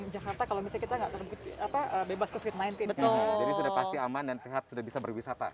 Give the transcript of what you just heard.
jadi sudah pasti aman dan sehat sudah bisa berwisata